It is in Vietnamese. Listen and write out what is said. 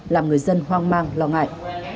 làm người dân hoang mang lo ngại